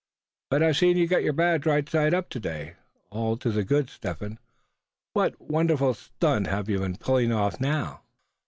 But I see you've got your badge right side up to day, all to the good, Step Hen; what wonderful stunt have you been pulling off now?"